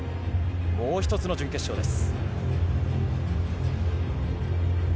もう１つの準決勝です。